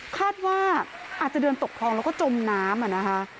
คาดว่าอาจจะเดินตกคลองแล้วก็จมน้ำนะคะ